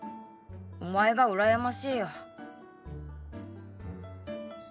お前がうらやましいよ。